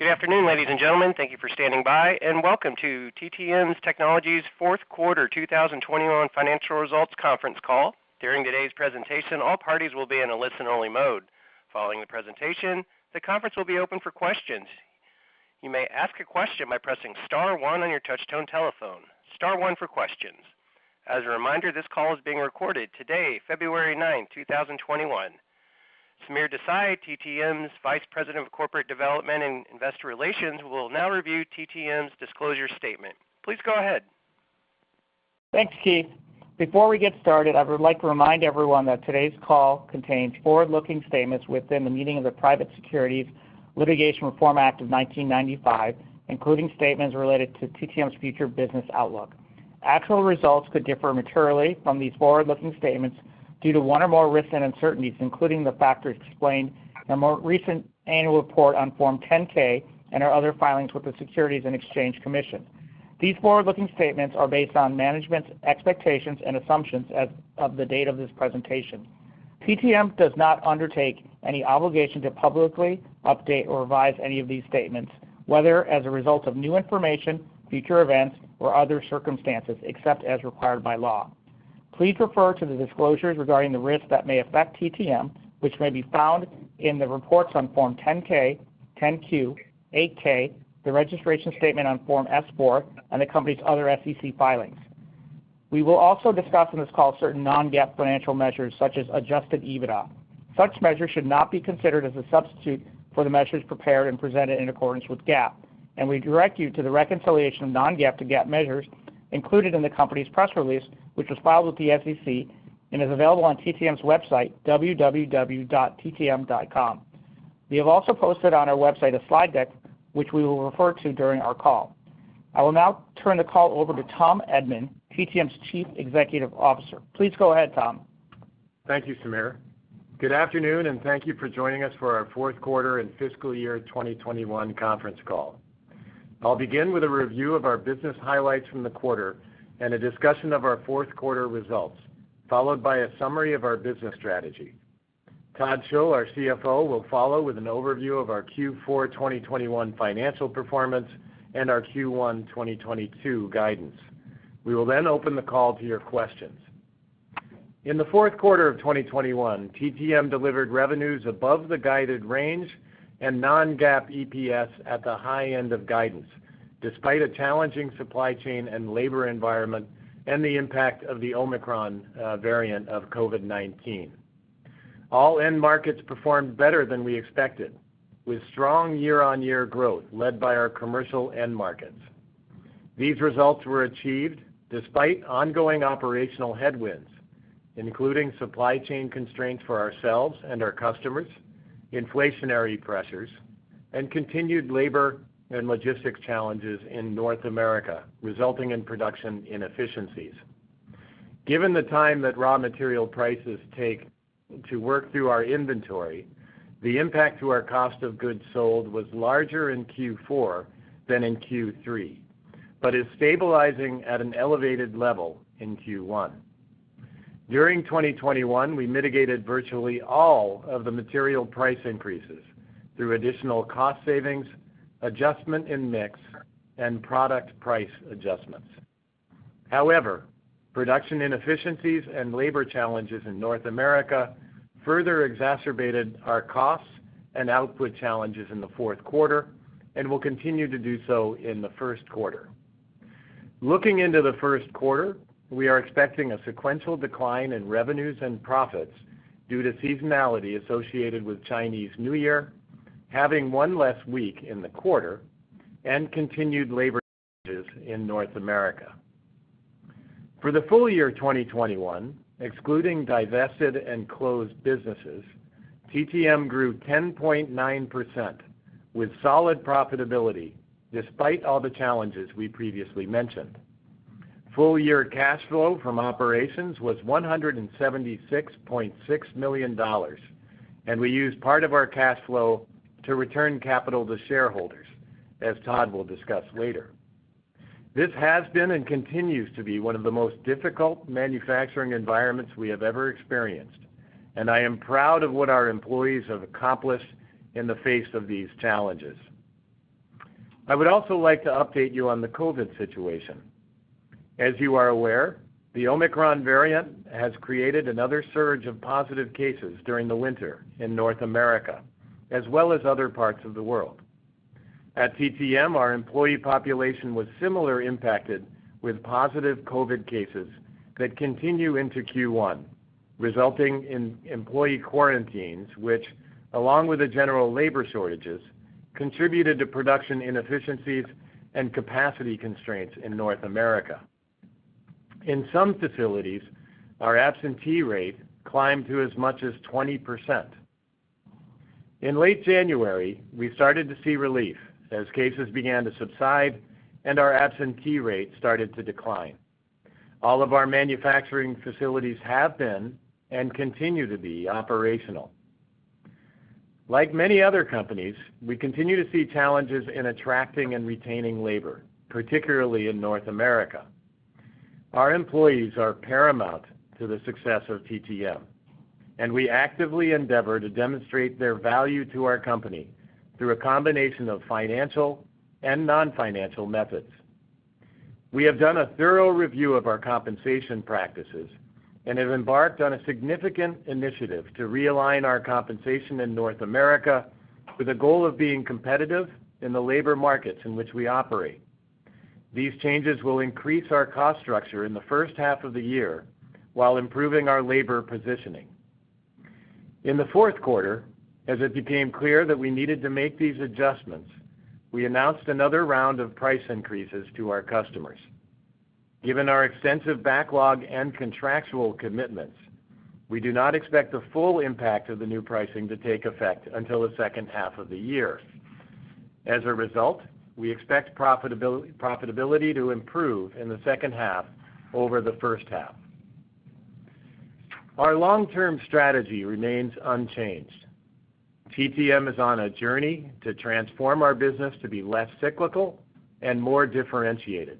Good afternoon, ladies and gentlemen. Thank you for standing by, and welcome to TTM Technologies' fourth quarter 2021 financial results conference call. During today's presentation, all parties will be in a listen-only mode. Following the presentation, the conference will be open for questions. You may ask a question by pressing star one on your touchtone telephone. Star one for questions. As a reminder, this call is being recorded today, February 9th, 2022. Sameer Desai, TTM's Vice President of Corporate Development and Investor Relations, will now review TTM's disclosure statement. Please go ahead. Thanks, Keith. Before we get started, I would like to remind everyone that today's call contains forward-looking statements within the meaning of the Private Securities Litigation Reform Act of 1995, including statements related to TTM's future business outlook. Actual results could differ materially from these forward-looking statements due to one or more risks and uncertainties, including the factors explained in our more recent Annual Report on Form 10-K and our other filings with the Securities and Exchange Commission. These forward-looking statements are based on management's expectations and assumptions as of the date of this presentation. TTM does not undertake any obligation to publicly update or revise any of these statements, whether as a result of new information, future events, or other circumstances, except as required by law. Please refer to the disclosures regarding the risks that may affect TTM, which may be found in the reports on Form 10-K, 10-Q, 8-K, the registration statement on Form S-4, and the company's other SEC filings. We will also discuss on this call certain non-GAAP financial measures, such as adjusted EBITDA. Such measures should not be considered as a substitute for the measures prepared and presented in accordance with GAAP, and we direct you to the reconciliation of non-GAAP to GAAP measures included in the company's press release, which was filed with the SEC and is available on TTM's website, www.ttm.com. We have also posted on our website a slide deck, which we will refer to during our call. I will now turn the call over to Tom Edman, TTM's Chief Executive Officer. Please go ahead, Tom. Thank you, Sameer. Good afternoon, and thank you for joining us for our fourth quarter and fiscal year 2021 conference call. I'll begin with a review of our business highlights from the quarter and a discussion of our fourth quarter results, followed by a summary of our business strategy. Todd Schull, our CFO, will follow with an overview of our Q4 2021 financial performance and our Q1 2022 guidance. We will then open the call to your questions. In the fourth quarter of 2021, TTM delivered revenues above the guided range and non-GAAP EPS at the high end of guidance, despite a challenging supply chain and labor environment and the impact of the Omicron variant of COVID-19. All end markets performed better than we expected, with strong year-on-year growth led by our commercial end markets. These results were achieved despite ongoing operational headwinds, including supply chain constraints for ourselves and our customers, inflationary pressures, and continued labor and logistics challenges in North America, resulting in production inefficiencies. Given the time that raw material prices take to work through our inventory, the impact to our cost of goods sold was larger in Q4 than in Q3, but is stabilizing at an elevated level in Q1. During 2021, we mitigated virtually all of the material price increases through additional cost savings, adjustment in mix, and product price adjustments. However, production inefficiencies and labor challenges in North America further exacerbated our costs and output challenges in the fourth quarter and will continue to do so in the first quarter. Looking into the first quarter, we are expecting a sequential decline in revenues and profits due to seasonality associated with Chinese New Year, having one less week in the quarter, and continued labor challenges in North America. For the full year 2021, excluding divested and closed businesses, TTM grew 10.9% with solid profitability, despite all the challenges we previously mentioned. Full year cash flow from operations was $176.6 million, and we used part of our cash flow to return capital to shareholders, as Todd will discuss later. This has been and continues to be one of the most difficult manufacturing environments we have ever experienced, and I am proud of what our employees have accomplished in the face of these challenges. I would also like to update you on the COVID situation. As you are aware, the Omicron variant has created another surge of positive cases during the winter in North America as well as other parts of the world. At TTM, our employee population was similarly impacted with positive COVID cases that continue into Q1, resulting in employee quarantines, which along with the general labor shortages, contributed to production inefficiencies and capacity constraints in North America. In some facilities, our absentee rate climbed to as much as 20%. In late January, we started to see relief as cases began to subside and our absentee rate started to decline. All of our manufacturing facilities have been and continue to be operational. Like many other companies, we continue to see challenges in attracting and retaining labor, particularly in North America. Our employees are paramount to the success of TTM, and we actively endeavor to demonstrate their value to our company through a combination of financial and non-financial methods. We have done a thorough review of our compensation practices and have embarked on a significant initiative to realign our compensation in North America with a goal of being competitive in the labor markets in which we operate. These changes will increase our cost structure in the first half of the year while improving our labor positioning. In the fourth quarter, as it became clear that we needed to make these adjustments, we announced another round of price increases to our customers. Given our extensive backlog and contractual commitments, we do not expect the full impact of the new pricing to take effect until the second half of the year. As a result, we expect profitability to improve in the second half over the first half. Our long-term strategy remains unchanged. TTM is on a journey to transform our business to be less cyclical and more differentiated.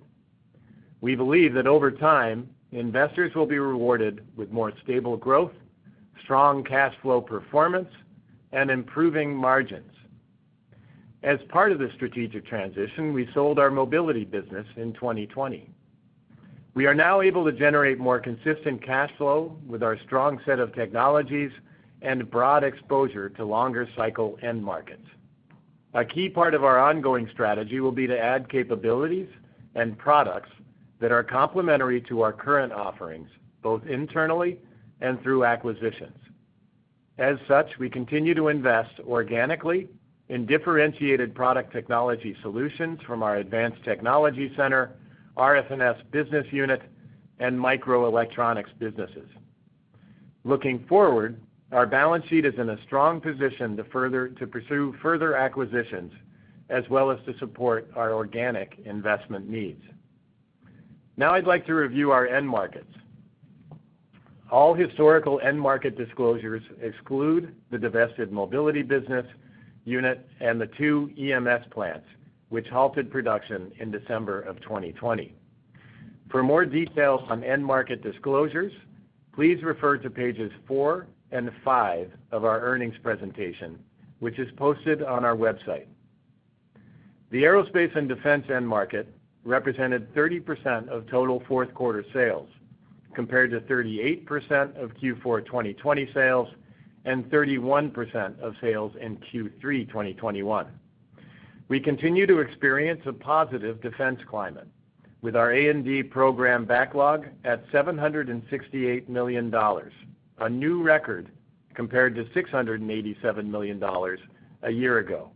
We believe that over time, investors will be rewarded with more stable growth, strong cash flow performance, and improving margins. As part of the strategic transition, we sold our mobility business in 2020. We are now able to generate more consistent cash flow with our strong set of technologies and broad exposure to longer cycle end markets. A key part of our ongoing strategy will be to add capabilities and products that are complementary to our current offerings, both internally and through acquisitions. As such, we continue to invest organically in differentiated product technology solutions from our Advanced Technology Center, RF&S business unit, and microelectronics businesses. Looking forward, our balance sheet is in a strong position to pursue further acquisitions as well as to support our organic investment needs. Now I'd like to review our end markets. All historical end market disclosures exclude the divested mobility business unit and the two EMS plants, which halted production in December 2020. For more details on end market disclosures, please refer to pages four and five of our earnings presentation, which is posted on our website. The aerospace and defense end market represented 30% of total fourth quarter sales, compared to 38% of Q4 2020 sales and 31% of sales in Q3 2021. We continue to experience a positive defense climate with our A&D program backlog at $768 million, a new record compared to $687 million a year ago.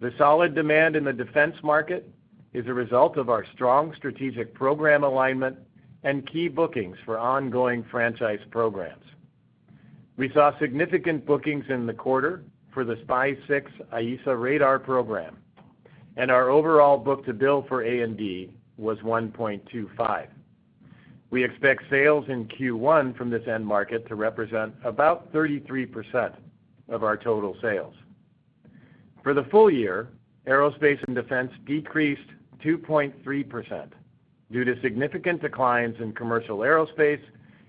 The solid demand in the defense market is a result of our strong strategic program alignment and key bookings for ongoing franchise programs. We saw significant bookings in the quarter for the SPY-6 AESA radar program, and our overall book-to-bill for A&D was 1.25. We expect sales in Q1 from this end market to represent about 33% of our total sales. For the full year, Aerospace and Defense decreased 2.3% due to significant declines in commercial aerospace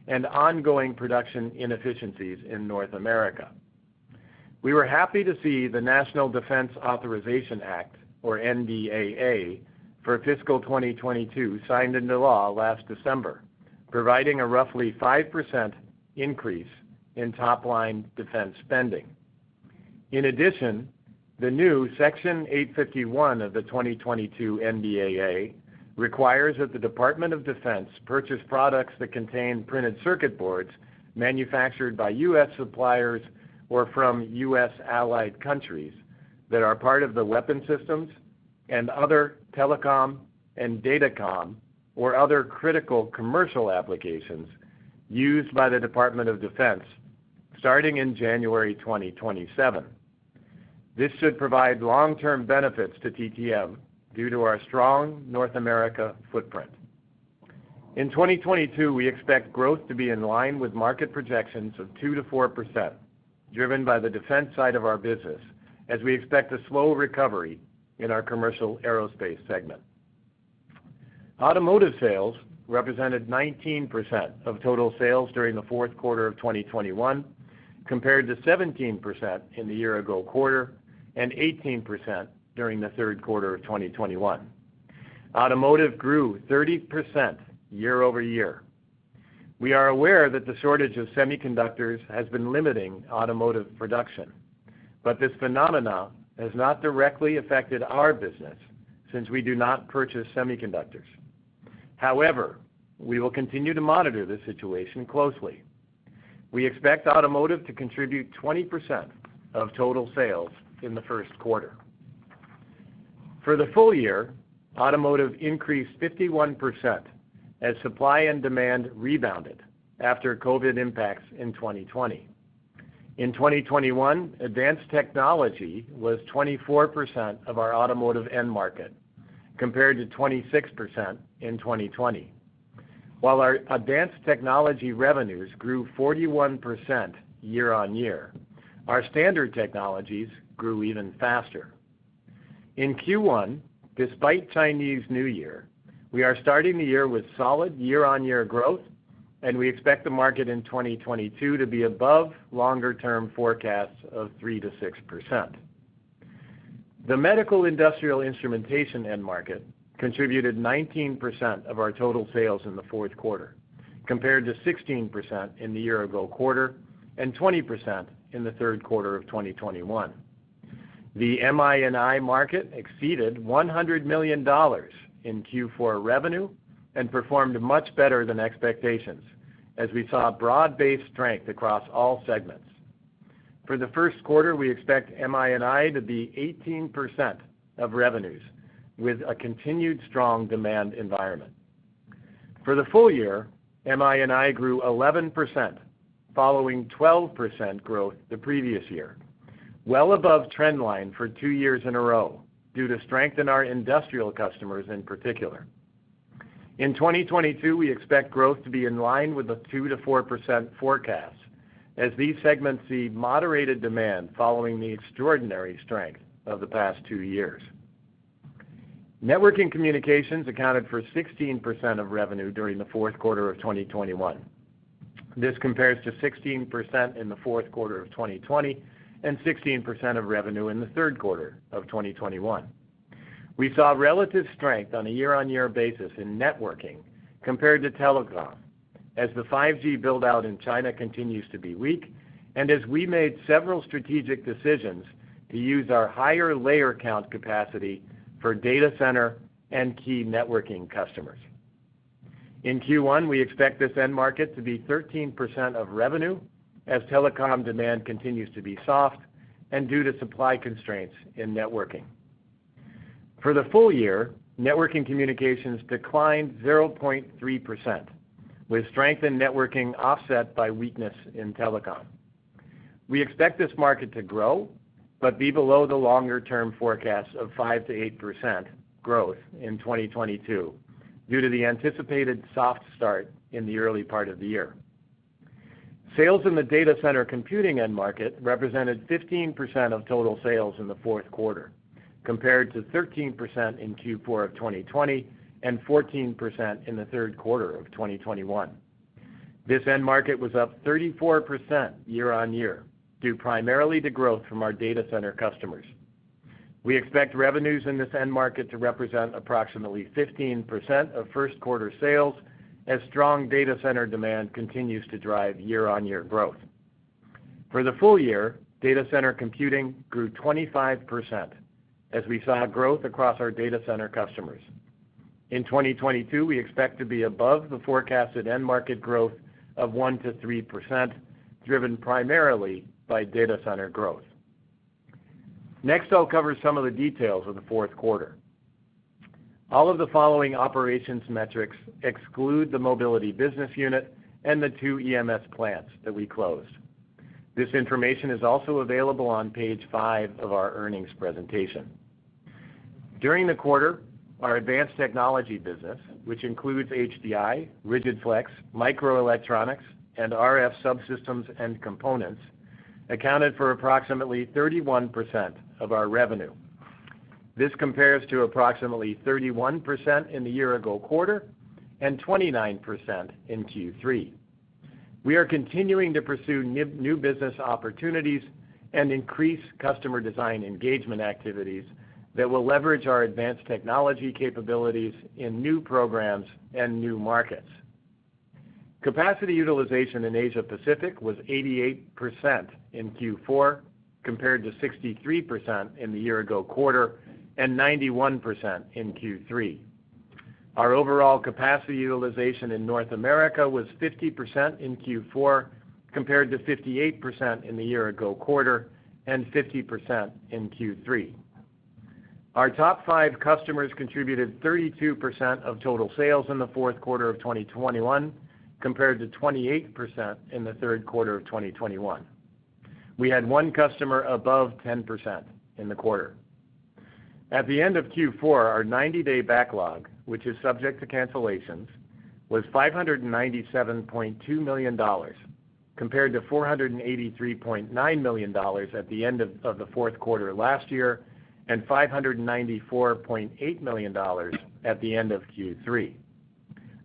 and ongoing production inefficiencies in North America. We were happy to see the National Defense Authorization Act, or NDAA, for fiscal 2022 signed into law last December, providing a roughly 5% increase in top-line defense spending. In addition, the new Section 851 of the 2022 NDAA requires that the Department of Defense purchase products that contain printed circuit boards manufactured by U.S. suppliers or from U.S. allied countries that are part of the weapon systems and other telecom and datacom or other critical commercial applications used by the Department of Defense starting in January 2027. This should provide long-term benefits to TTM due to our strong North America footprint. In 2022, we expect growth to be in line with market projections of 2%-4%, driven by the defense side of our business, as we expect a slow recovery in our commercial aerospace segment. Automotive sales represented 19% of total sales during the fourth quarter of 2021, compared to 17% in the year-ago quarter and 18% during the third quarter of 2021. Automotive grew 30% year-over-year. We are aware that the shortage of semiconductors has been limiting automotive production, but this phenomenon has not directly affected our business since we do not purchase semiconductors. However, we will continue to monitor the situation closely. We expect automotive to contribute 20% of total sales in the first quarter. For the full year, automotive increased 51% as supply and demand rebounded after COVID-19 impacts in 2020. In 2021, advanced technology was 24% of our automotive end market, compared to 26% in 2020. While our advanced technology revenues grew 41% year-on-year, our standard technologies grew even faster. In Q1, despite Chinese New Year, we are starting the year with solid year-on-year growth, and we expect the market in 2022 to be above longer-term forecasts of 3%-6%. The medical industrial instrumentation end market contributed 19% of our total sales in the fourth quarter compared to 16% in the year-ago quarter and 20% in the third quarter of 2021. The MI&I market exceeded $100 million in Q4 revenue and performed much better than expectations as we saw broad-based strength across all segments. For the first quarter, we expect MI&I to be 18% of revenues with a continued strong demand environment. For the full year, MI&I grew 11% following 12% growth the previous year, well above trend line for two years in a row due to strength in our industrial customers in particular. In 2022, we expect growth to be in line with the 2%-4% forecast as these segments see moderated demand following the extraordinary strength of the past two years. Networking communications accounted for 16% of revenue during the fourth quarter of 2021. This compares to 16% in the fourth quarter of 2020 and 16% of revenue in the third quarter of 2021. We saw relative strength on a year-on-year basis in networking compared to telecom as the 5G build-out in China continues to be weak and as we made several strategic decisions to use our higher layer count capacity for data center and key networking customers. In Q1, we expect this end market to be 13% of revenue as telecom demand continues to be soft and due to supply constraints in networking. For the full year, networking communications declined 0.3% with strength in networking offset by weakness in telecom. We expect this market to grow but be below the longer-term forecast of 5%-8% growth in 2022 due to the anticipated soft start in the early part of the year. Sales in the data center computing end market represented 15% of total sales in the fourth quarter compared to 13% in Q4 of 2020 and 14% in the third quarter of 2021. This end market was up 34% year-on-year due primarily to growth from our data center customers. We expect revenues in this end market to represent approximately 15% of first quarter sales as strong data center demand continues to drive year-on-year growth. For the full year, data center computing grew 25% as we saw growth across our data center customers. In 2022, we expect to be above the forecasted end market growth of 1%-3%, driven primarily by data center growth. Next, I'll cover some of the details of the fourth quarter. All of the following operations metrics exclude the mobility business unit and the two EMS plants that we closed. This information is also available on page five of our earnings presentation. During the quarter, our advanced technology business, which includes HDI, rigid-flex, microelectronics, and RF subsystems and components, accounted for approximately 31% of our revenue. This compares to approximately 31% in the year-ago quarter and 29% in Q3. We are continuing to pursue new business opportunities and increase customer design engagement activities that will leverage our advanced technology capabilities in new programs and new markets. Capacity utilization in Asia Pacific was 88% in Q4 compared to 63% in the year-ago quarter and 91% in Q3. Our overall capacity utilization in North America was 50% in Q4 compared to 58% in the year-ago quarter and 50% in Q3. Our top five customers contributed 32% of total sales in the fourth quarter of 2021 compared to 28% in the third quarter of 2021. We had one customer above 10% in the quarter. At the end of Q4, our 90-day backlog, which is subject to cancellations, was $597.2 million compared to $483.9 million at the end of the fourth quarter last year and $594.8 million at the end of Q3.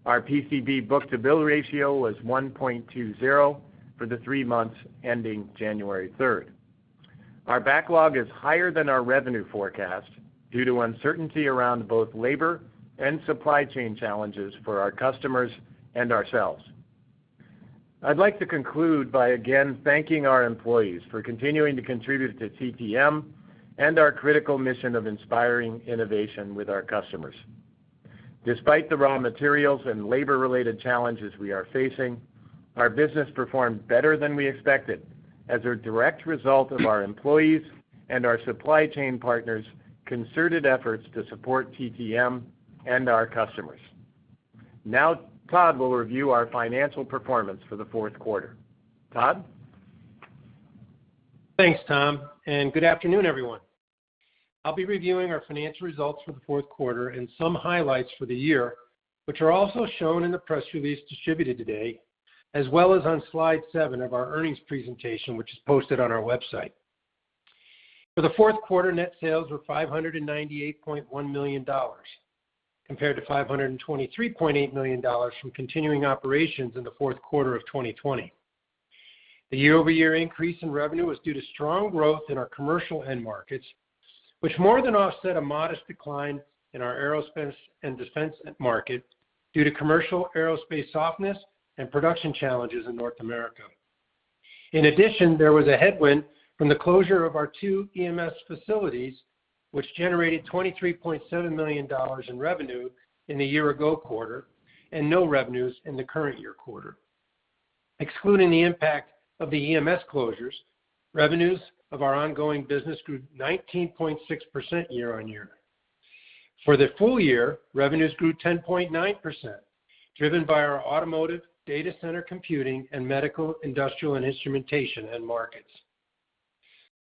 Our PCB book-to-bill ratio was 1.20 for the three months ending January 3rd. Our backlog is higher than our revenue forecast due to uncertainty around both labor and supply chain challenges for our customers and ourselves. I'd like to conclude by again thanking our employees for continuing to contribute to TTM and our critical mission of inspiring innovation with our customers. Despite the raw materials and labor-related challenges we are facing, our business performed better than we expected as a direct result of our employees and our supply chain partners' concerted efforts to support TTM and our customers. Now Todd will review our financial performance for the fourth quarter. Todd? Thanks, Tom, and good afternoon, everyone. I'll be reviewing our financial results for the fourth quarter and some highlights for the year, which are also shown in the press release distributed today, as well as on slide seven of our earnings presentation, which is posted on our website. For the fourth quarter, net sales were $598.1 million compared to $523.8 million from continuing operations in the fourth quarter of 2020. The year-over-year increase in revenue was due to strong growth in our commercial end markets, which more than offset a modest decline in our aerospace and defense market due to commercial aerospace softness and production challenges in North America. In addition, there was a headwind from the closure of our two EMS facilities, which generated $23.7 million in revenue in the year ago quarter and no revenues in the current year quarter. Excluding the impact of the EMS closures, revenues of our ongoing business grew 19.6% year-over-year. For the full year, revenues grew 10.9%, driven by our automotive, data center computing, and medical, industrial, and instrumentation end markets.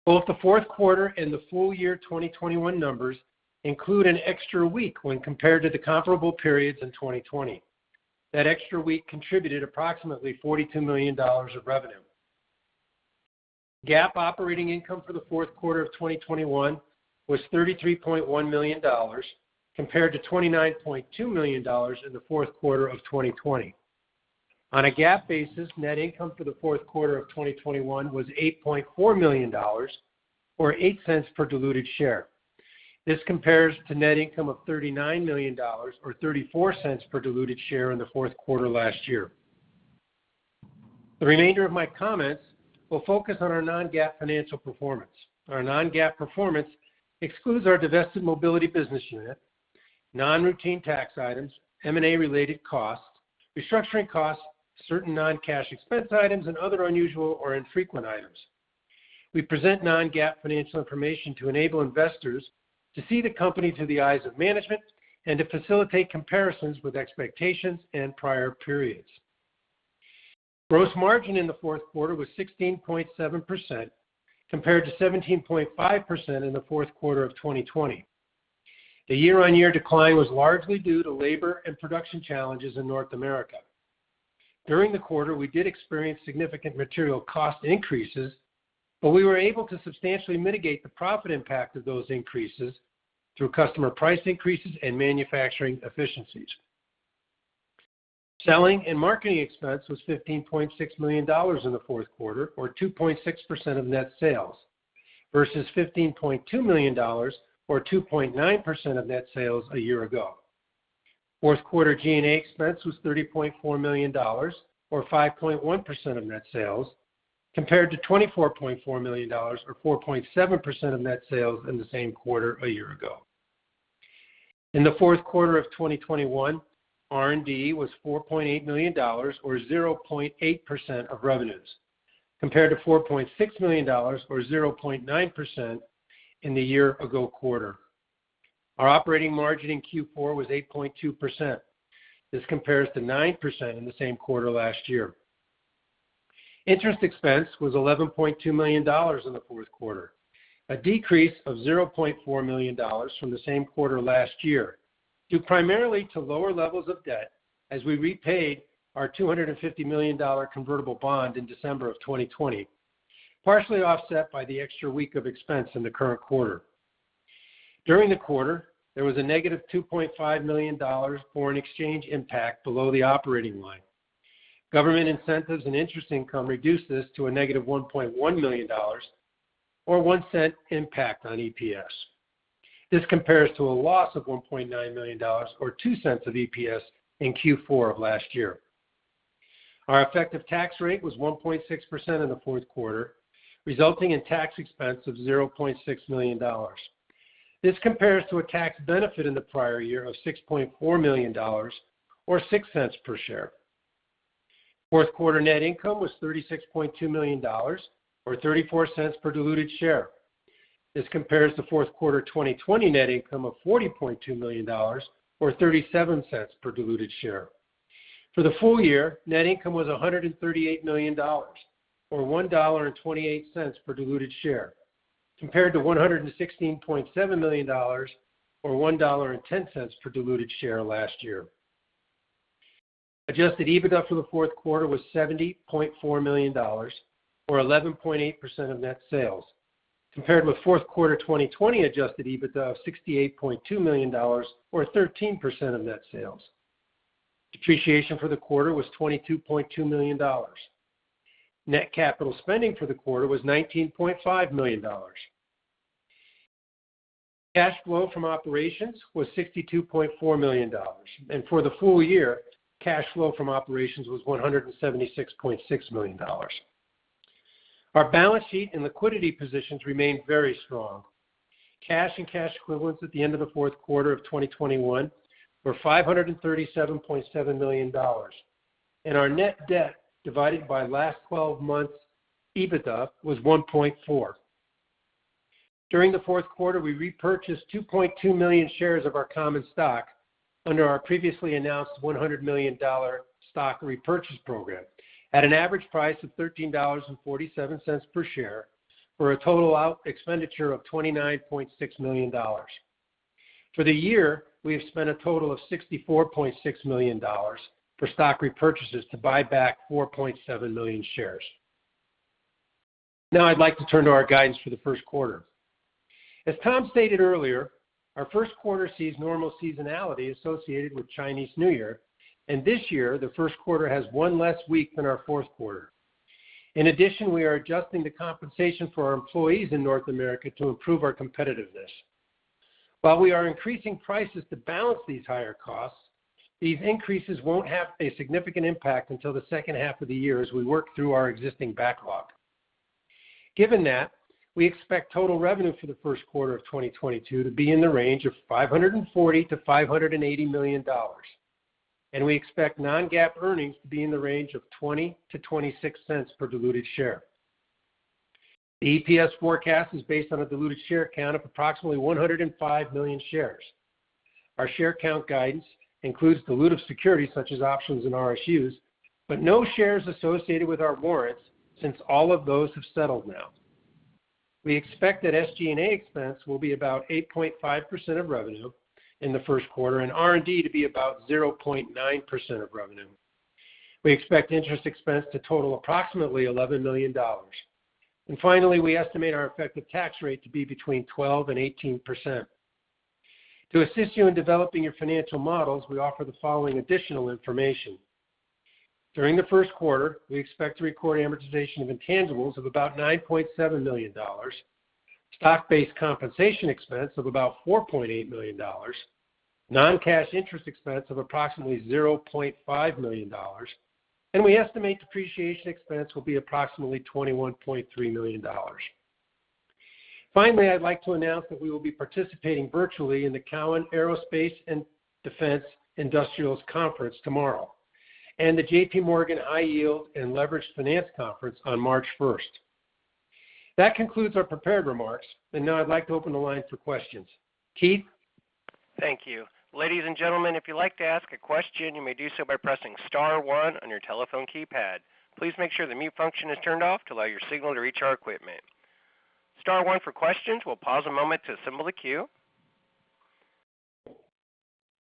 Both the fourth quarter and the full year 2021 numbers include an extra week when compared to the comparable periods in 2020. That extra week contributed approximately $42 million of revenue. GAAP operating income for the fourth quarter of 2021 was $33.1 million compared to $29.2 million in the fourth quarter of 2020. On a GAAP basis, net income for the fourth quarter of 2021 was $8.4 million or $0.08 per diluted share. This compares to net income of $39 million or $0.34 per diluted share in the fourth quarter last year. The remainder of my comments will focus on our non-GAAP financial performance. Our non-GAAP performance excludes our divested mobility business unit, non-routine tax items, M&A-related costs, restructuring costs, certain non-cash expense items, and other unusual or infrequent items. We present non-GAAP financial information to enable investors to see the company through the eyes of management and to facilitate comparisons with expectations and prior periods. Gross margin in the fourth quarter was 16.7% compared to 17.5% in the fourth quarter of 2020. The year-on-year decline was largely due to labor and production challenges in North America. During the quarter, we did experience significant material cost increases, but we were able to substantially mitigate the profit impact of those increases through customer price increases and manufacturing efficiencies. Selling and marketing expense was $15.6 million in the fourth quarter or 2.6% of net sales versus $15.2 million or 2.9% of net sales a year ago. Fourth quarter G&A expense was $30.4 million or 5.1% of net sales compared to $24.4 million or 4.7% of net sales in the same quarter a year ago. In the fourth quarter of 2021, R&D was $4.8 million or 0.8% of revenues, compared to $4.6 million or 0.9% in the year-ago quarter. Our operating margin in Q4 was 8.2%. This compares to 9% in the same quarter last year. Interest expense was $11.2 million in the fourth quarter, a decrease of $0.4 million from the same quarter last year, due primarily to lower levels of debt as we repaid our $250 million convertible bond in December of 2020, partially offset by the extra week of expense in the current quarter. During the quarter, there was a -$2.5 million foreign exchange impact below the operating line. Government incentives and interest income reduced this to a -$1.1 million or $0.01 impact on EPS. This compares to a loss of $1.9 million or $0.02 EPS in Q4 of last year. Our effective tax rate was 1.6% in the fourth quarter, resulting in tax expense of $0.6 million. This compares to a tax benefit in the prior year of $6.4 million or $0.06 per share. Fourth quarter net income was $36.2 million or $0.34 per diluted share. This compares to fourth quarter 2020 net income of $40.2 million or $0.37 per diluted share. For the full year, net income was $138 million or $1.28 per diluted share, compared to $116.7 million or $1.10 per diluted share last year. Adjusted EBITDA for the fourth quarter was $70.4 million or 11.8% of net sales, compared with fourth quarter 2020 adjusted EBITDA of $68.2 million or 13% of net sales. Depreciation for the quarter was $22.2 million. Net capital spending for the quarter was $19.5 million. Cash flow from operations was $62.4 million. For the full year, cash flow from operations was $176.6 million. Our balance sheet and liquidity positions remain very strong. Cash and cash equivalents at the end of the fourth quarter of 2021 were $537.7 million, and our net debt divided by last twelve months' EBITDA was 1.4. During the fourth quarter, we repurchased 2.2 million shares of our common stock under our previously announced $100 million stock repurchase program at an average price of $13.47 per share. For a total outlay of $29.6 million. For the year, we have spent a total of $64.6 million for stock repurchases to buy back 4.7 million shares. Now I'd like to turn to our guidance for the first quarter. As Tom stated earlier, our first quarter sees normal seasonality associated with Chinese New Year, and this year, the first quarter has one less week than our fourth quarter. In addition, we are adjusting the compensation for our employees in North America to improve our competitiveness. While we are increasing prices to balance these higher costs, these increases won't have a significant impact until the second half of the year as we work through our existing backlog. Given that, we expect total revenue for the first quarter of 2022 to be in the range of $540 million-$580 million, and we expect non-GAAP earnings to be in the range of $0.20-$0.26 per diluted share. The EPS forecast is based on a diluted share count of approximately 105 million shares. Our share count guidance includes dilutive securities such as options and RSUs, but no shares associated with our warrants since all of those have settled now. We expect that SG&A expense will be about 8.5% of revenue in the first quarter and R&D to be about 0.9% of revenue. We expect interest expense to total approximately $11 million. Finally, we estimate our effective tax rate to be between 12%-18%. To assist you in developing your financial models, we offer the following additional information. During the first quarter, we expect to record amortization of intangibles of about $9.7 million, stock-based compensation expense of about $4.8 million, non-cash interest expense of approximately $0.5 million, and we estimate depreciation expense will be approximately $21.3 million. Finally, I'd like to announce that we will be participating virtually in the Cowen Aerospace/Defense & Industrials Conference tomorrow and the J.P. Morgan Global High Yield & Leveraged Finance Conference on March 1st. That concludes our prepared remarks. Now I'd like to open the line for questions. Keith? Thank you. Ladies and gentlemen, if you'd like to ask a question, you may do so by pressing star one on your telephone keypad. Please make sure the mute function is turned off to allow your signal to reach our equipment. Star one for questions. We'll pause a moment to assemble the queue.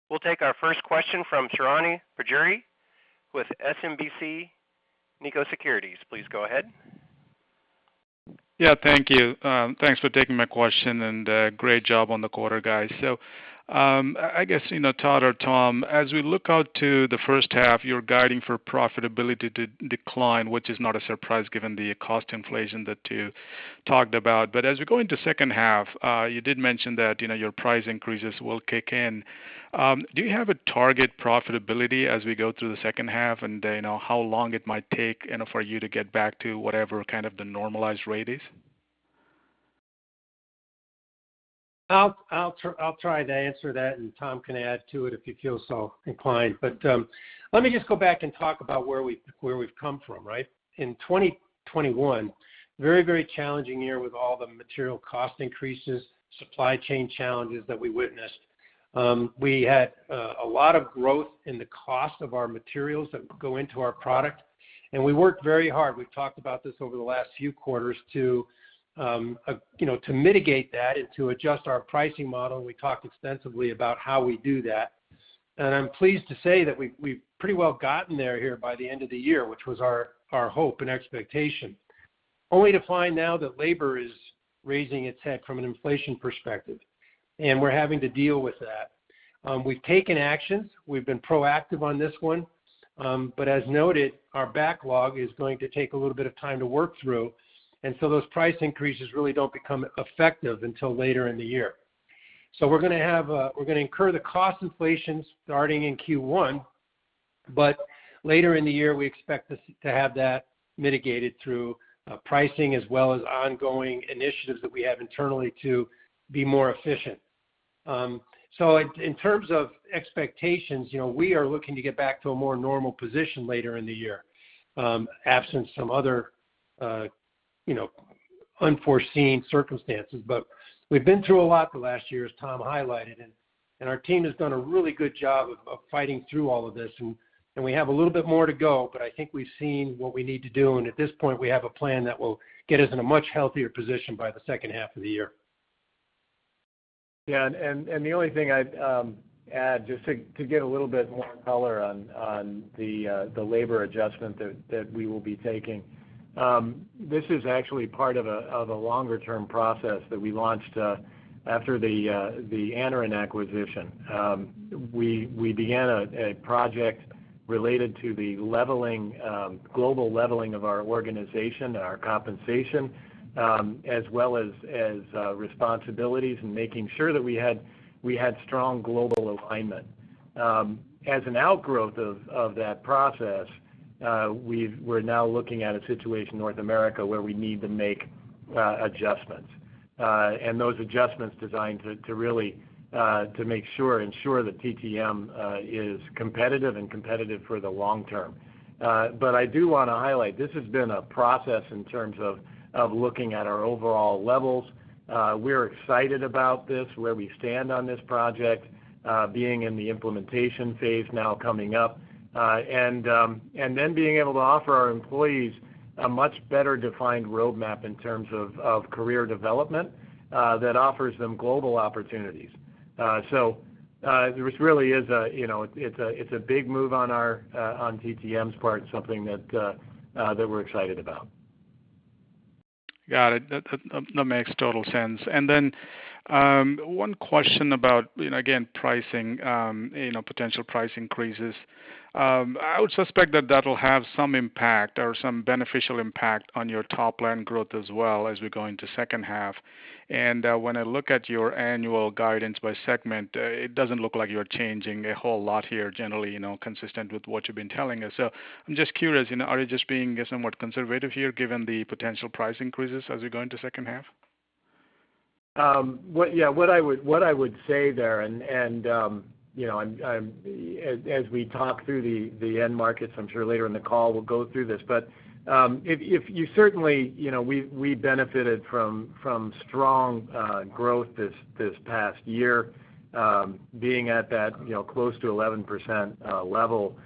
We'll take our first question from Srini Pajjuri with SMBC Nikko Securities. Please go ahead. Yeah, thank you. Thanks for taking my question, and great job on the quarter, guys. I guess, you know, Todd or Tom, as we look out to the first half, you're guiding for profitability to decline, which is not a surprise given the cost inflation that you talked about. As we go into second half, you did mention that, you know, your price increases will kick in. Do you have a target profitability as we go through the second half, and, you know, how long it might take, you know, for you to get back to whatever kind of the normalized rate is? I'll try to answer that, and Tom can add to it if you feel so inclined. Let me just go back and talk about where we've come from, right? In 2021, very challenging year with all the material cost increases, supply chain challenges that we witnessed. We had a lot of growth in the cost of our materials that go into our product, and we worked very hard. We've talked about this over the last few quarters to you know, to mitigate that and to adjust our pricing model. We talked extensively about how we do that. I'm pleased to say that we've pretty well gotten there here by the end of the year, which was our hope and expectation. Only to find now that labor is raising its head from an inflation perspective, and we're having to deal with that. We've taken actions. We've been proactive on this one. As noted, our backlog is going to take a little bit of time to work through. Those price increases really don't become effective until later in the year. We're gonna incur the cost inflation starting in Q1, but later in the year, we expect this to have that mitigated through pricing as well as ongoing initiatives that we have internally to be more efficient. In terms of expectations, you know, we are looking to get back to a more normal position later in the year, absent some other, you know, unforeseen circumstances. We've been through a lot the last year, as Tom highlighted, and our team has done a really good job of fighting through all of this. We have a little bit more to go, but I think we've seen what we need to do, and at this point, we have a plan that will get us in a much healthier position by the second half of the year. The only thing I'd add, just to give a little bit more color on the labor adjustment that we will be taking. This is actually part of a longer-term process that we launched after the Anaren acquisition. We began a project related to global leveling of our organization and our compensation, as well as responsibilities and making sure that we had strong global alignment. As an outgrowth of that process, we're now looking at a situation in North America where we need to make adjustments. Those adjustments designed to really ensure that TTM is competitive for the long term. I do wanna highlight, this has been a process in terms of looking at our overall levels. We're excited about this, where we stand on this project, being in the implementation phase now coming up, and then being able to offer our employees a much better defined roadmap in terms of career development that offers them global opportunities. This really is a, you know, it's a big move on TTM's part, something that we're excited about. Got it. That makes total sense. One question about, you know, again, pricing, you know, potential price increases. I would suspect that will have some impact or some beneficial impact on your top line growth as well as we go into second half. When I look at your annual guidance by segment, it doesn't look like you're changing a whole lot here, generally, you know, consistent with what you've been telling us. I'm just curious, you know, are you just being somewhat conservative here given the potential price increases as we go into second half? What I would say there, you know, as we talk through the end markets, I'm sure later in the call we'll go through this. Certainly, you know, we benefited from strong growth this past year, being at that, you know, close to 11% level.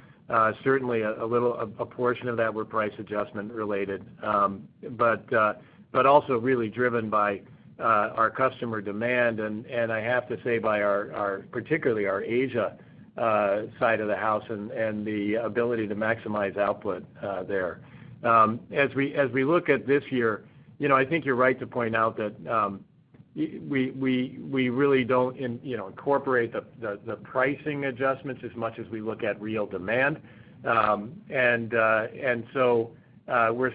Certainly a portion of that were price adjustment related, but also really driven by our customer demand and I have to say by our, particularly our Asia side of the house and the ability to maximize output there. As we look at this year, you know, I think you're right to point out that we really don't incorporate the pricing adjustments as much as we look at real demand. We're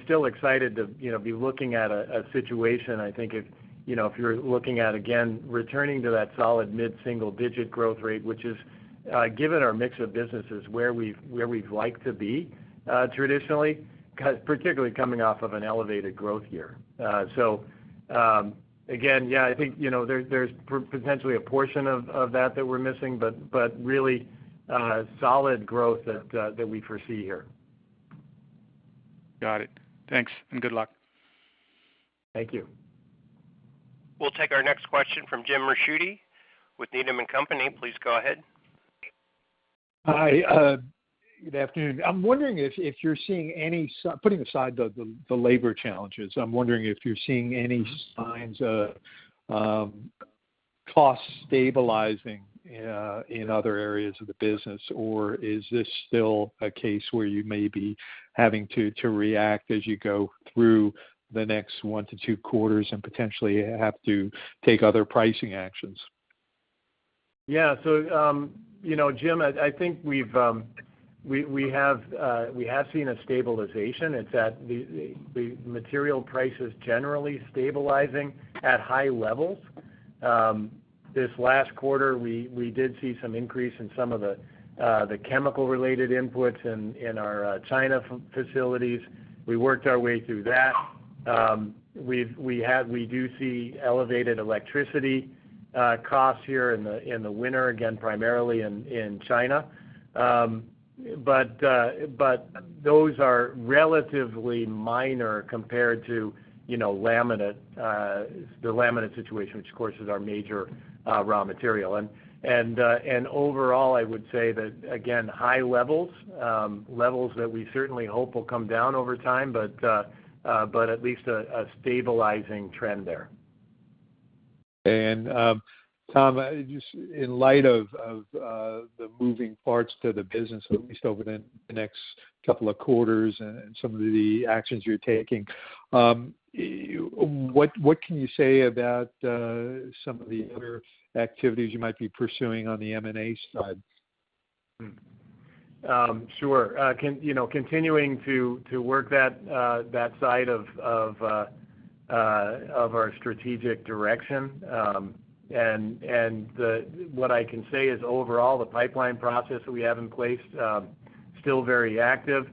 still excited to, you know, be looking at a situation. I think, you know, if you're looking at again returning to that solid mid-single-digit growth rate, which is given our mix of businesses where we'd like to be traditionally, particularly coming off of an elevated growth year. Again, yeah, I think, you know, there's potentially a portion of that that we're missing, but really solid growth that we foresee here. Got it. Thanks, and good luck. Thank you. We'll take our next question from Jim Ricchiuti with Needham & Company. Please go ahead. Hi. Good afternoon. I'm wondering, putting aside the labor challenges, if you're seeing any signs of costs stabilizing in other areas of the business, or is this still a case where you may be having to react as you go through the next 1-2 quarters and potentially have to take other pricing actions? Yeah. You know, Jim, I think we have seen a stabilization. It's that the material prices generally stabilizing at high levels. This last quarter, we did see some increase in some of the chemical related inputs in our China facilities. We worked our way through that. We do see elevated electricity costs here in the winter, again, primarily in China. But those are relatively minor compared to, you know, laminate, the laminate situation, which of course is our major raw material. Overall, I would say that again, high levels that we certainly hope will come down over time, but at least a stabilizing trend there. Tom, just in light of the moving parts to the business, at least over the next couple of quarters and some of the actions you're taking, what can you say about some of the other activities you might be pursuing on the M&A side? Sure. You know, continuing to work that side of our strategic direction. What I can say is overall, the pipeline process that we have in place is still very active.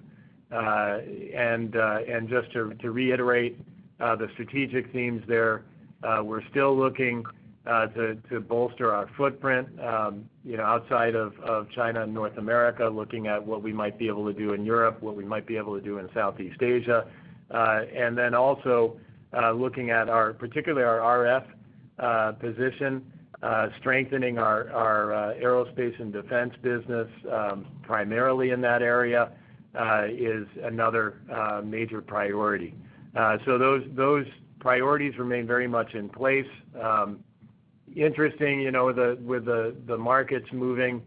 Just to reiterate, the strategic themes there, we're still looking to bolster our footprint, you know, outside of China and North America, looking at what we might be able to do in Europe, what we might be able to do in Southeast Asia. Then also, looking at our, particularly our RF position, strengthening our aerospace and defense business, primarily in that area, is another major priority. Those priorities remain very much in place. Interesting, you know, with the markets moving,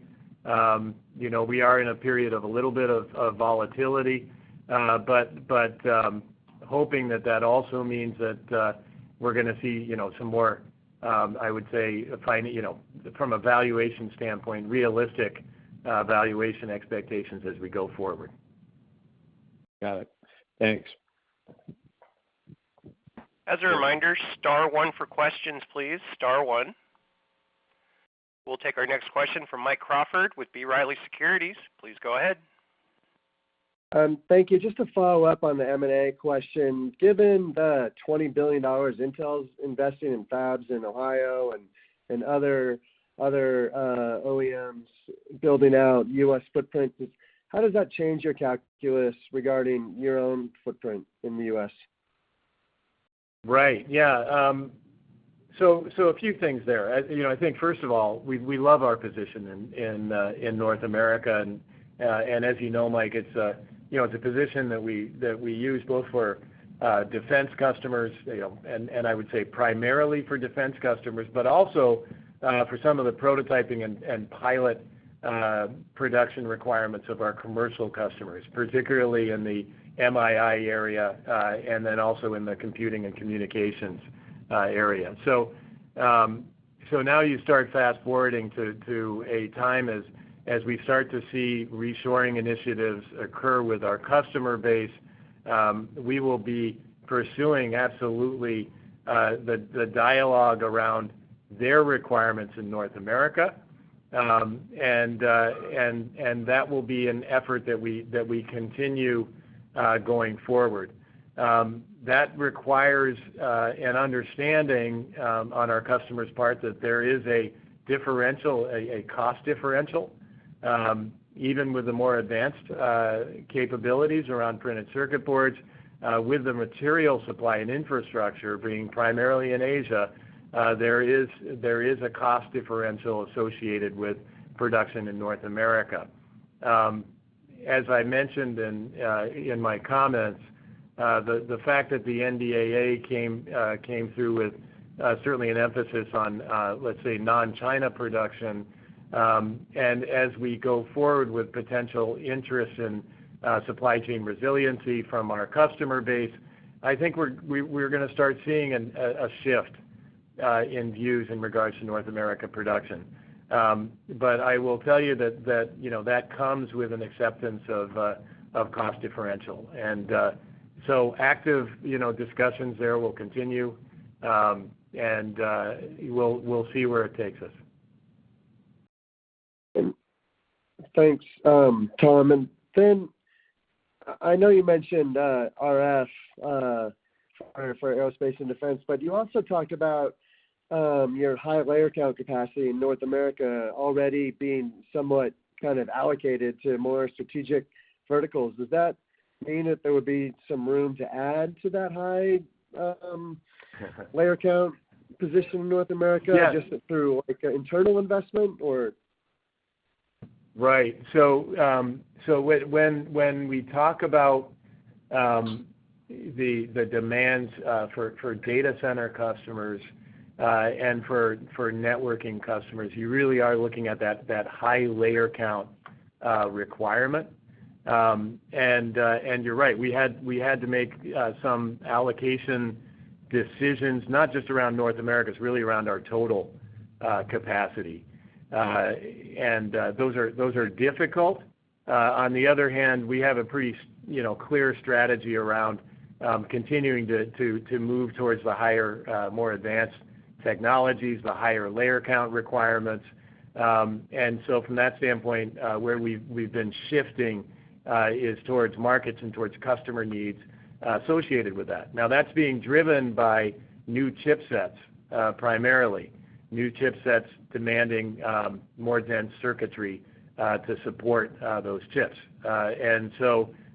you know, we are in a period of a little bit of volatility. Hoping that that also means that, we're gonna see, you know, some more, I would say, fine, you know, from a valuation standpoint, realistic valuation expectations as we go forward. Got it. Thanks. As a reminder, star one for questions, please. Star one. We'll take our next question from Mike Crawford with B. Riley Securities. Please go ahead. Thank you. Just to follow up on the M&A question. Given the $20 billion Intel's investing in fabs in Ohio and other OEMs building out U.S. footprints. How does that change your calculus regarding your own footprint in the U.S.? Right. Yeah. A few things there. You know, I think first of all, we love our position in North America. As you know, Mike, it's a position that we use both for defense customers, you know, and I would say primarily for defense customers, but also for some of the prototyping and pilot production requirements of our commercial customers, particularly in the MI&I area, and then also in the computing and communications area. Now you start fast-forwarding to a time as we start to see reshoring initiatives occur with our customer base, we will be pursuing absolutely the dialogue around their requirements in North America. That will be an effort that we continue going forward. That requires an understanding on our customers' part that there is a differential, a cost differential. Even with the more advanced capabilities around printed circuit boards, with the material supply and infrastructure being primarily in Asia, there is a cost differential associated with production in North America. As I mentioned in my comments, the fact that the NDAA came through with certainly an emphasis on, let's say, non-China production, and as we go forward with potential interest in supply chain resiliency from our customer base, I think we're gonna start seeing a shift in views in regards to North America production. I will tell you that, you know, that comes with an acceptance of cost differential. Active, you know, discussions there will continue, and we'll see where it takes us. Thanks, Tom. I know you mentioned RF for aerospace and defense, but you also talked about your high layer count capacity in North America already being somewhat kind of allocated to more strategic verticals. Does that mean that there would be some room to add to that high layer count position in North America? Yeah. Just through like an internal investment or? Right. When we talk about the demands for data center customers and for networking customers, you really are looking at that high layer count requirement. You're right, we had to make some allocation decisions, not just around North America, it's really around our total capacity. Those are difficult. On the other hand, we have a pretty you know, clear strategy around continuing to move towards the higher more advanced technologies, the higher layer count requirements. From that standpoint, where we've been shifting is towards markets and towards customer needs associated with that. Now, that's being driven by new chipsets primarily. New chipsets demanding more dense circuitry to support those chips.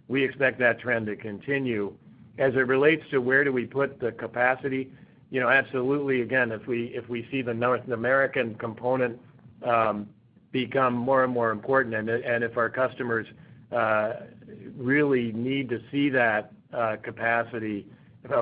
We expect that trend to continue. As it relates to where do we put the capacity, you know, absolutely, again, if we see the North American component become more and more important, and if our customers really need to see that capacity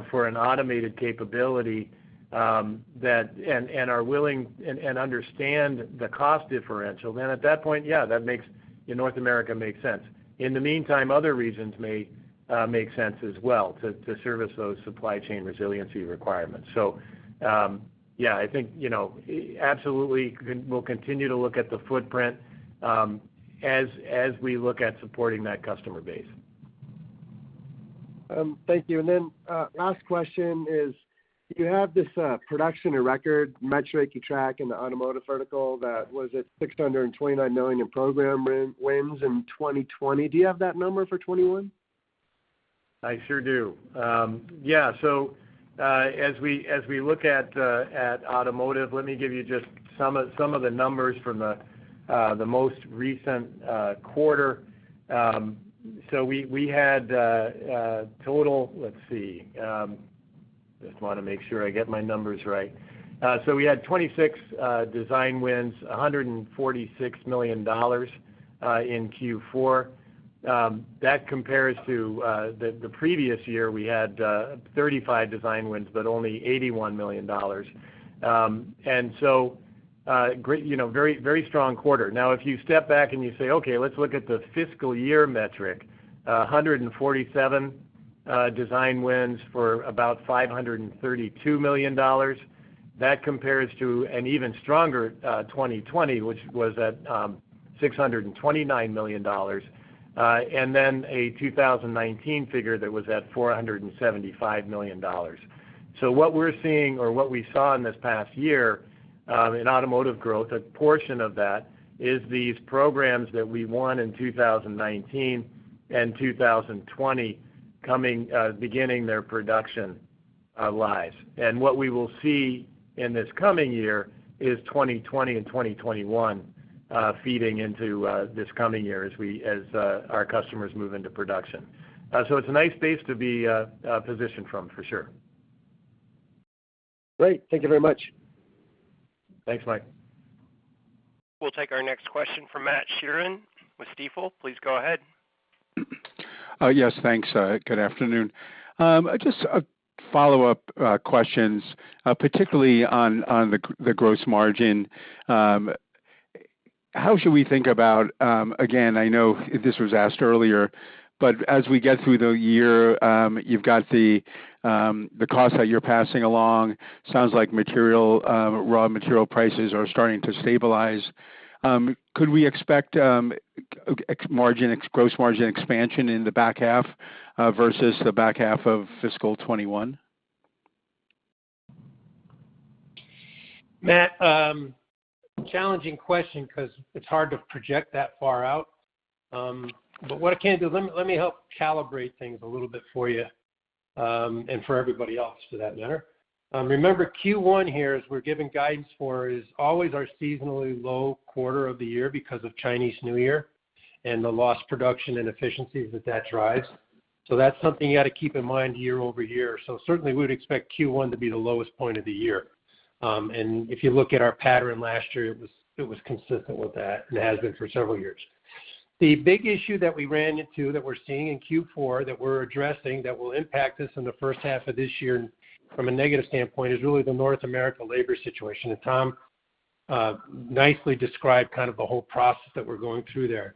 for an automated capability, and are willing and understand the cost differential, then at that point, yeah, that makes, you know, North America make sense. In the meantime, other regions may make sense as well to service those supply chain resiliency requirements. Yeah, I think, you know, absolutely we'll continue to look at the footprint as we look at supporting that customer base. Thank you. Last question is, you have this production and record metric you track in the automotive vertical that was at $629 million in program wins in 2020. Do you have that number for 2021? I sure do. Yeah. As we look at automotive, let me give you just some of the numbers from the most recent quarter. We had 26 design wins, $146 million, in Q4. That compares to the previous year, we had 35 design wins, but only $81 million. Great, you know, very, very strong quarter. Now, if you step back and you say, "Okay, let's look at the fiscal year metric," 147 design wins for about $532 million. That compares to an even stronger 2020, which was at $629 million, and then a 2019 figure that was at $475 million. What we're seeing or what we saw in this past year, in automotive growth, a portion of that is these programs that we won in 2019 and 2020, coming, beginning their production lives. What we will see in this coming year is 2020 and 2021, feeding into, this coming year as our customers move into production. It's a nice base to be positioned from, for sure. Great. Thank you very much. Thanks, Mike. We'll take our next question from Matt Sheerin with Stifel. Please go ahead. Yes, thanks. Good afternoon. Just follow-up questions, particularly on the gross margin. How should we think about, again, I know this was asked earlier, but as we get through the year, you've got the cost that you're passing along. Sounds like raw material prices are starting to stabilize. Could we expect gross margin expansion in the back half versus the back half of fiscal 2021? Matt, challenging question 'cause it's hard to project that far out. But what I can do, let me help calibrate things a little bit for you, and for everybody else for that matter. Remember Q1 here, as we're giving guidance for, is always our seasonally low quarter of the year because of Chinese New Year and the lost production and efficiencies that that drives. That's something you gotta keep in mind year over year. Certainly we would expect Q1 to be the lowest point of the year. If you look at our pattern last year, it was consistent with that, and it has been for several years. The big issue that we ran into that we're seeing in Q4 that we're addressing that will impact us in the first half of this year from a negative standpoint is really the North America labor situation. Tom nicely described kind of the whole process that we're going through there.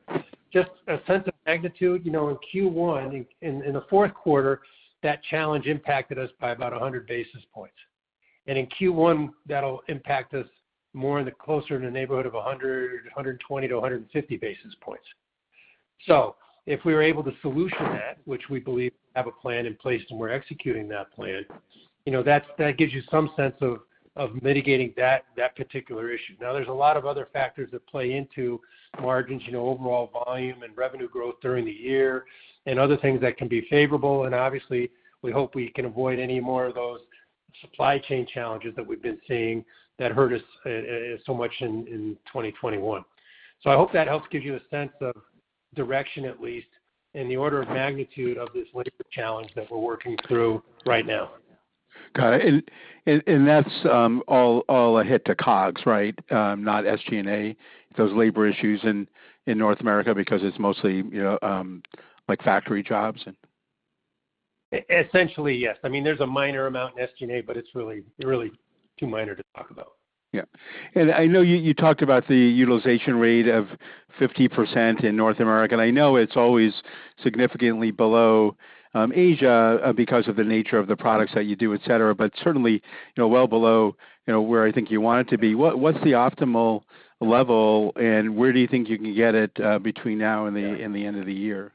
Just a sense of magnitude, you know, in Q1 in the fourth quarter, that challenge impacted us by about 100 basis points. In Q1, that'll impact us more, closer in the neighborhood of 120 basis points to 150 basis points. If we were able to solve that, which we believe we have a plan in place, and we're executing that plan, you know, that gives you some sense of mitigating that particular issue. Now, there's a lot of other factors that play into margins, you know, overall volume and revenue growth during the year and other things that can be favorable. Obviously, we hope we can avoid any more of those supply chain challenges that we've been seeing that hurt us so much in 2021. I hope that helps give you a sense of direction, at least in the order of magnitude of this labor challenge that we're working through right now. Got it. That's all a hit to COGS, right? Not SG&A, those labor issues in North America because it's mostly, you know, like factory jobs and. Essentially, yes. I mean, there's a minor amount in SG&A, but it's really, really too minor to talk about. I know you talked about the utilization rate of 50% in North America, and I know it's always significantly below Asia because of the nature of the products that you do, et cetera. But certainly, you know, well below, you know, where I think you want it to be. What's the optimal level, and where do you think you can get it between now and the end of the year?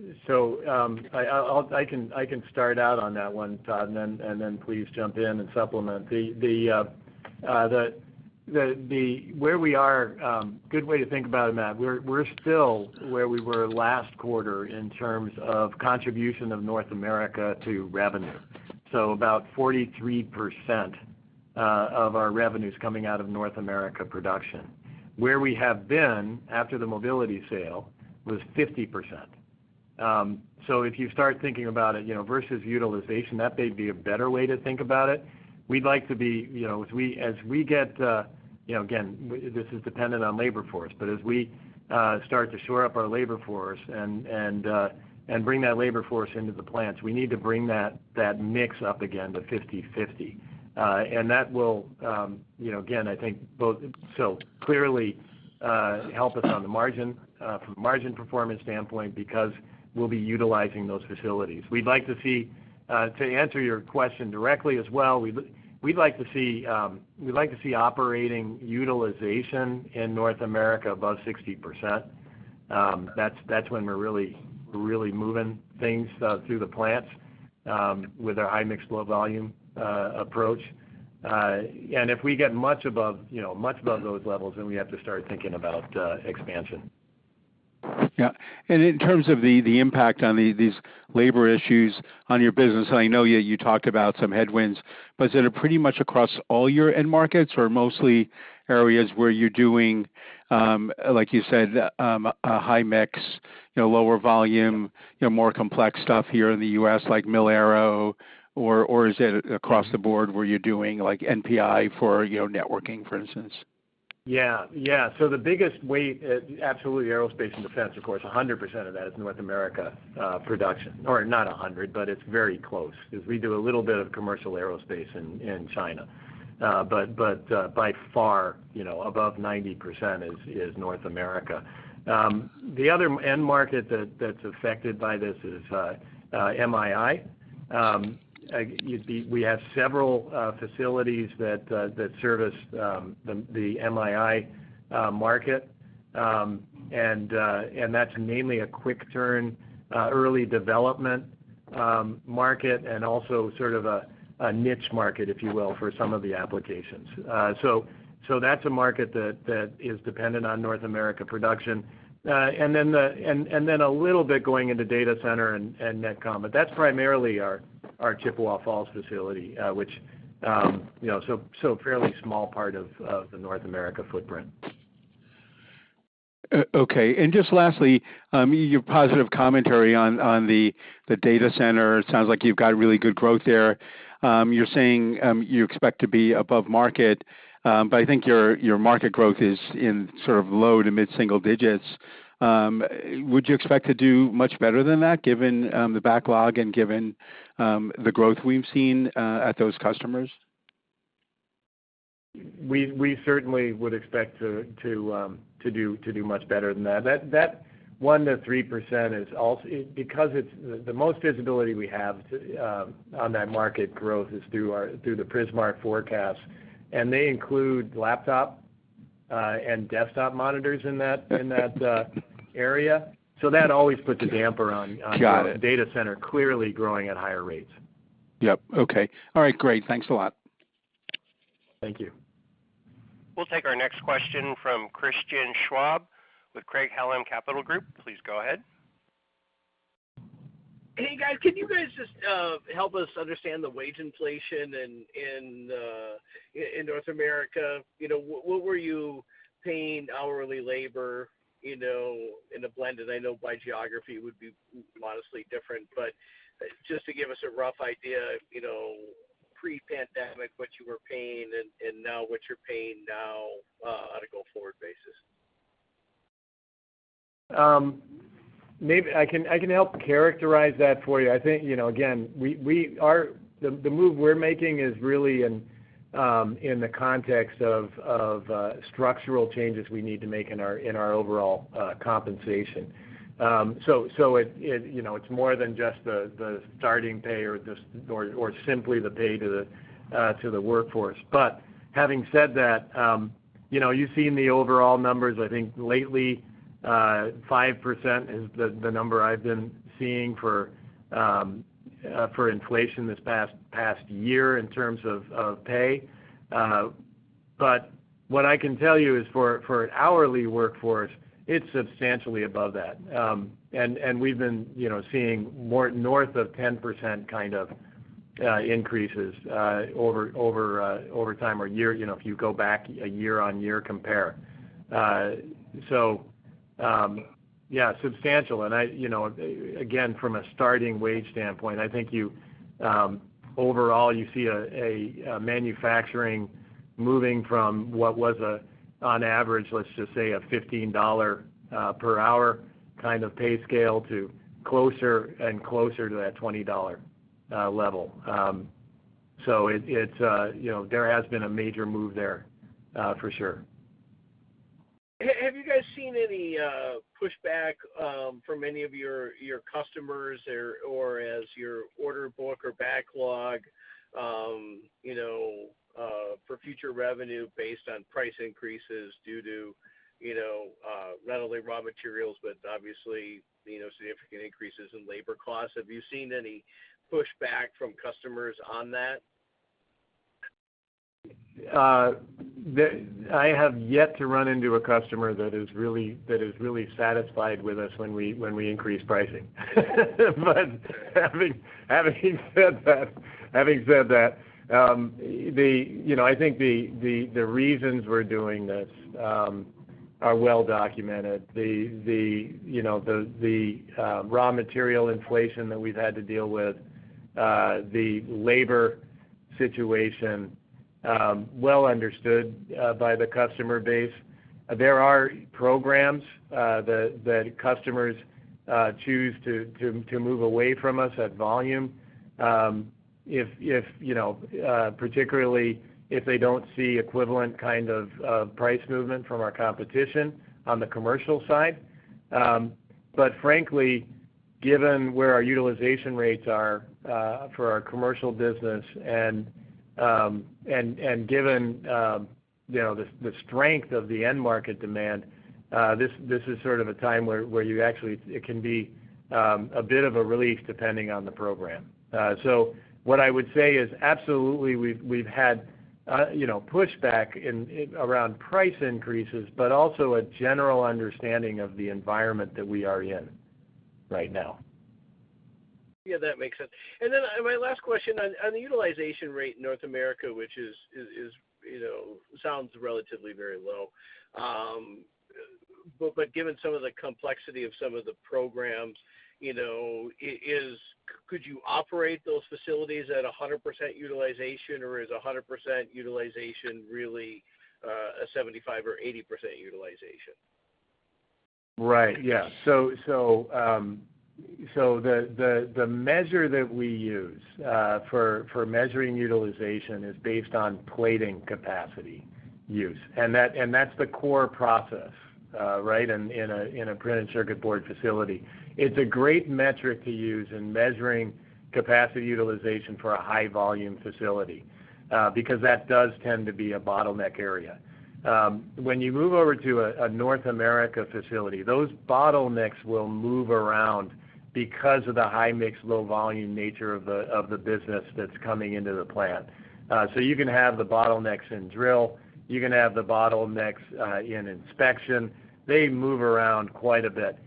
I can start out on that one, Todd, and then please jump in and supplement. A good way to think about it, Matt, we're still where we were last quarter in terms of contribution of North America to revenue. About 43% of our revenue is coming out of North America production. Where we have been after the mobility sale was 50%. If you start thinking about it, you know, versus utilization, that may be a better way to think about it. We'd like to be, you know, as we get, you know, again, this is dependent on labor force, but as we start to shore up our labor force and bring that labor force into the plants, we need to bring that mix up again to 50/50. That will, you know, again, clearly help us on the margin, from a margin performance standpoint because we'll be utilizing those facilities. We'd like to see, to answer your question directly as well, we'd like to see operating utilization in North America above 60%. That's when we're really moving things through the plants with our high mix, low volume approach. If we get much above, you know, much above those levels, then we have to start thinking about expansion. Yeah. In terms of the impact on these labor issues on your business, I know you talked about some headwinds, but is it pretty much across all your end markets or mostly areas where you're doing, like you said, a high mix, you know, lower volume, you know, more complex stuff here in the U.S. like Mil-Aero or is it across the board where you're doing like NPI for, you know, networking, for instance? Yeah. Yeah. The biggest weight absolutely aerospace and defense, of course, 100% of that is North America production. Or not 100%, but it's very close 'cause we do a little bit of commercial aerospace in China. By far, you know, above 90% is North America. The other end market that's affected by this is MII. We have several facilities that service the MII market. That's mainly a quick turn early development market and also sort of a niche market, if you will, for some of the applications. That's a market that is dependent on North America production. Then a little bit going into data center and netcom. But that's primarily our Chippewa Falls facility, which you know fairly small part of the North America footprint. Okay. Just lastly, your positive commentary on the data center, it sounds like you've got really good growth there. You're saying you expect to be above market, but I think your market growth is in sort of low to mid-single digits. Would you expect to do much better than that given the backlog and given the growth we've seen at those customers? We certainly would expect to do much better than that. That 1%-3% is because it's the most visibility we have on that market growth is through the Prismark forecast, and they include laptop and desktop monitors in that area. That always puts a damper on. Got it. Data center clearly growing at higher rates. Yep. Okay. All right. Great. Thanks a lot. Thank you. We'll take our next question from Christian Schwab with Craig-Hallum Capital Group. Please go ahead. Hey, guys. Can you guys just help us understand the wage inflation in North America? You know, what were you paying hourly labor, you know, in a blend? And I know by geography would be modestly different, but just to give us a rough idea, you know, pre-pandemic, what you were paying and now what you're paying now on a go-forward basis? Maybe I can help characterize that for you. I think, you know, again, the move we're making is really in the context of structural changes we need to make in our overall compensation. It you know it's more than just the starting pay or simply the pay to the workforce. Having said that, you know, you've seen the overall numbers, I think, lately, 5% is the number I've been seeing for inflation this past year in terms of pay. What I can tell you is for hourly workforce, it's substantially above that. We've been, you know, seeing more north of 10% kind of increases over time or year, you know, if you go back a year-on-year compare. Yeah, substantial. Again, from a starting wage standpoint, I think you overall you see a manufacturing moving from what was a on average, let's just say a $15 per hour kind of pay scale to closer and closer to that $20 level. It's, you know, there has been a major move there for sure. Have you guys seen any pushback from any of your customers or in your order book or backlog, you know, for future revenue based on price increases due to, you know, not only raw materials, but obviously, you know, significant increases in labor costs? Have you seen any pushback from customers on that? I have yet to run into a customer that is really satisfied with us when we increase pricing. But having said that, you know, I think the reasons we're doing this are well documented. You know, the raw material inflation that we've had to deal with, the labor situation, well understood by the customer base. There are programs that customers choose to move away from us at volume, if you know, particularly if they don't see equivalent kind of price movement from our competition on the commercial side. Frankly, given where our utilization rates are for our commercial business and given you know the strength of the end market demand, this is sort of a time where it can be a bit of a relief depending on the program. What I would say is absolutely, we've had you know pushback around price increases, but also a general understanding of the environment that we are in right now. Yeah, that makes sense. My last question on the utilization rate in North America, which is, you know, sounds relatively very low. Given some of the complexity of some of the programs, you know, could you operate those facilities at 100% utilization, or is 100% utilization really a 75% or 80% utilization? Right. Yeah. The measure that we use for measuring utilization is based on plating capacity use, and that's the core process, right, in a printed circuit board facility. It's a great metric to use in measuring capacity utilization for a high volume facility, because that does tend to be a bottleneck area. When you move over to a North American facility, those bottlenecks will move around because of the high mix, low volume nature of the business that's coming into the plant. You can have the bottlenecks in drill, you can have the bottlenecks in inspection. They move around quite a bit.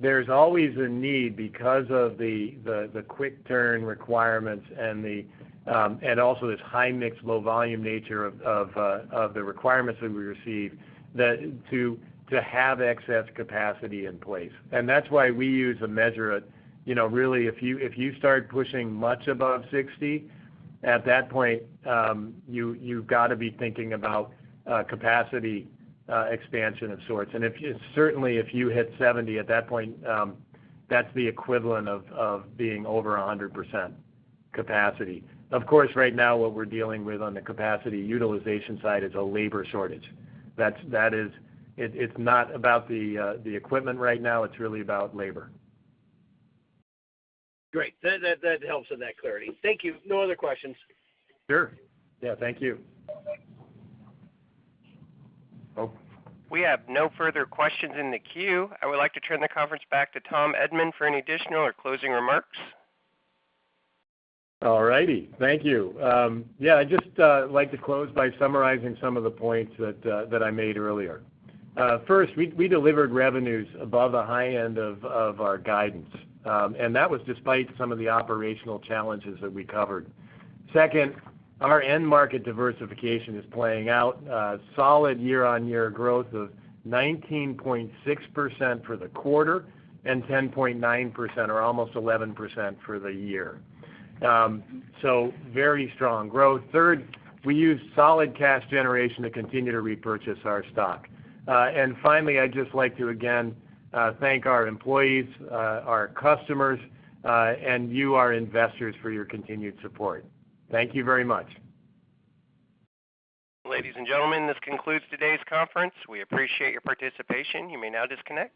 There's always a need because of the quick turn requirements and also this high mix, low volume nature of the requirements that we receive to have excess capacity in place. That's why we use a measure of, you know, really, if you start pushing much above 60%, at that point, you've gotta be thinking about capacity expansion of sorts. Certainly, if you hit 70%, at that point, that's the equivalent of being over 100% capacity. Of course, right now, what we're dealing with on the capacity utilization side is a labor shortage. That's it. It's not about the equipment right now, it's really about labor. Great. That helps with that clarity. Thank you. No other questions. Sure. Yeah, thank you. We have no further questions in the queue. I would like to turn the conference back to Tom Edman for any additional or closing remarks. All righty. Thank you. Yeah, I'd just like to close by summarizing some of the points that I made earlier. First, we delivered revenues above the high end of our guidance, and that was despite some of the operational challenges that we covered. Second, our end market diversification is playing out, solid year-on-year growth of 19.6% for the quarter and 10.9% or almost 11% for the year. Very strong growth. Third, we used solid cash generation to continue to repurchase our stock. Finally, I'd just like to again thank our employees, our customers, and you, our investors for your continued support. Thank you very much. Ladies and gentlemen, this concludes today's conference. We appreciate your participation. You may now disconnect.